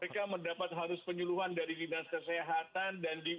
mereka mendapat harus penyuluhan dari bidang kesehatan dan diusaha